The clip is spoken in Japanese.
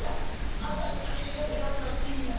あんたのおかげで病気治りましてんって。